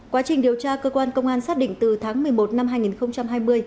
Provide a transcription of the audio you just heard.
quá trình điều tra cơ quan công an xác định từ tháng một mươi một năm hai nghìn hai mươi